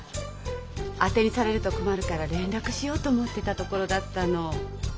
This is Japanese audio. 当てにされると困るから連絡しようと思ってたところだったの。